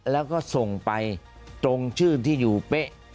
แล้วก็ส่งไปตรงชื่อที่อยู่เป๊ะ